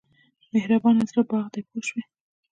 مهربان زړه باغ دی پوه شوې!.